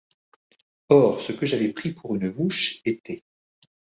Or ce que j’avais pris pour une mouche était